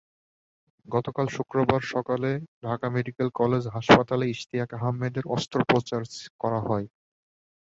গতকাল শুক্রবার সকালে ঢাকা মেডিকেল কলেজ হাসপাতালে ইশতিয়াক আহমেদের অস্ত্রোপচার করা হয়।